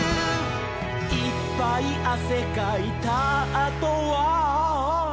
「いっぱいあせかいたあとは」